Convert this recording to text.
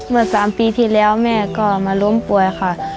เมื่อ๓ปีที่แล้วแม่ก็มาล้มป่วยค่ะ